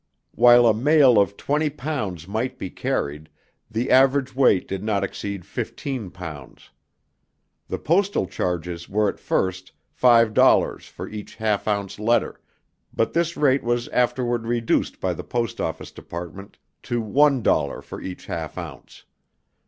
While a mail of twenty pounds might be carried, the average weight did not exceed fifteen pounds. The postal charges were at first, five dollars for each half ounce letter, but this rate was afterward reduced by the Post Office Department to one dollar for each half ounce.